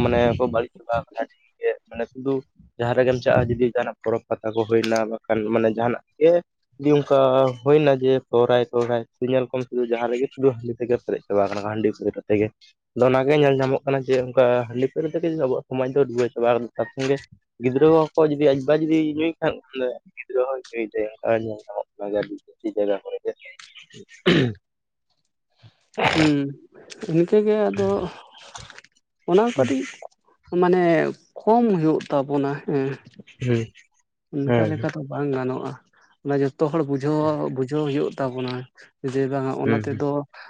[SPEAKER 2] ᱢᱟᱱᱮ ᱠᱚ ᱵᱟᱹᱲᱤᱡ ᱪᱟᱵᱟ ᱟᱠᱟᱱᱟ᱾ [inaudible] ᱢᱟᱱᱮ ᱥᱩᱫᱩ ᱡᱟᱦᱟᱸ ᱨᱮᱜᱮᱢ ᱪᱟᱞᱟᱜ-ᱟ ᱡᱩᱫᱤ ᱡᱟᱦᱟᱱᱟᱜ ᱯᱚᱨᱚᱵᱽ ᱯᱟᱛᱟ ᱠᱚ ᱦᱩᱭᱱᱟ ᱵᱟᱠᱷᱟᱱ ᱢᱟᱱᱮ ᱡᱟᱦᱟᱱᱟᱜ ᱜᱮ ᱡᱤ ᱚᱱᱠᱟ ᱦᱩᱭᱱᱟ ᱡᱮ ᱥᱚᱦᱨᱟᱭ ᱥᱚᱦᱨᱟᱭ ᱧᱮᱞ ᱠᱚᱢ ᱥᱩᱫᱩ ᱡᱟᱦᱟᱸ ᱨᱮᱜᱮ ᱥᱩᱫᱩ ᱦᱟᱺᱰᱤ ᱛᱮᱜᱮ ᱯᱮᱨᱮᱡ ᱪᱟᱵᱟᱣ ᱠᱟᱱᱟᱠᱚ ᱦᱟᱺᱰᱤ ᱯᱟᱹᱣᱨᱟᱹ ᱛᱮᱜᱮ᱾ ᱟᱫᱚ ᱚᱱᱟᱜᱮ ᱧᱮᱞ ᱧᱟᱢᱚᱜ ᱠᱟᱱᱟ ᱡᱮ ᱚᱱᱠᱟ ᱦᱟᱺᱰᱤ ᱯᱟᱹᱣᱨᱟᱹ ᱛᱮᱜᱮ ᱟᱵᱚᱣᱟᱜ ᱥᱚᱢᱟᱡᱽ ᱫᱚ ᱰᱩᱵᱟᱹᱣ ᱪᱟᱵᱟ ᱟᱠᱟᱱ ᱜᱮ ᱜᱤᱫᱽᱨᱟᱹ ᱦᱚᱠᱚ ᱡᱩᱫᱤ [unintelligible] ᱡᱩᱫᱤ ᱧᱩᱭ ᱠᱷᱟᱱ ᱢᱟᱱᱮ ᱜᱤᱫᱽᱨᱟᱹ ᱦᱚᱸᱭ ᱧᱩᱭ ᱛᱟᱭᱟ ᱱᱚᱝᱠᱟ ᱧᱮᱞ ᱧᱟᱢᱚᱜ ᱠᱟᱱᱟ ᱜᱟᱹᱰᱤ [inaudible] ᱡᱟᱭᱜᱟ ᱠᱚᱨᱮ ᱜᱮ᱾
[SPEAKER 1] [unintelligible] ᱦᱮᱸ ᱤᱱᱠᱟᱹᱜᱮ ᱟᱫᱚ ᱚᱱᱟ
[SPEAKER 2] ᱦᱩᱸ
[SPEAKER 1] ᱠᱟᱹᱴᱤᱡ ᱢᱟᱱᱮ ᱠᱚᱢ ᱦᱩᱭᱩᱜ ᱛᱟᱵᱚᱱᱟ ᱦᱮᱸ
[SPEAKER 2] ᱦᱩᱸ
[SPEAKER 1] ᱚᱱᱠᱟ
[SPEAKER 2] ᱦᱮᱸ
[SPEAKER 1] ᱞᱮᱠᱟᱛᱮ ᱵᱟᱝ ᱜᱟᱱᱚᱜ-ᱟ ᱚᱱᱟ ᱡᱚᱛᱚ ᱦᱚᱲ ᱵᱩᱡᱷ ᱵᱩᱡᱷᱟᱹᱣᱟ ᱵᱩᱡᱷᱟᱹᱣ ᱦᱩᱭᱩᱜ ᱛᱟᱵᱚᱱᱟ ᱡᱮ ᱵᱟᱝᱟ ᱚᱱᱟ
[SPEAKER 2] ᱦᱩᱸ
[SPEAKER 1] ᱛᱮᱫᱚ